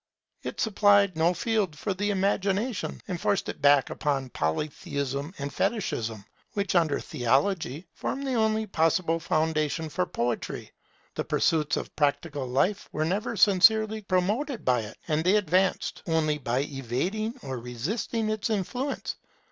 It supplied no field for the Imagination, and forced it back upon Polytheism and Fetichism, which, under Theology, form the only possible foundation for poetry. The pursuits of practical life were never sincerely promoted by it, and they advanced only by evading or resisting its influence.